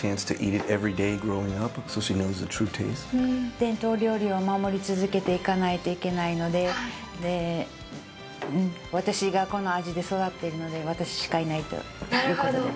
伝統料理を守り続けていかないといけないので私がこの味で育っているので私しかいないということです。